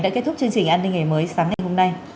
đã kết thúc chương trình an ninh ngày mới sáng ngày hôm nay